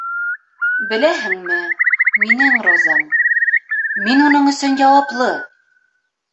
Беләһеңме... минең розам... мин уның өсөн яуаплы.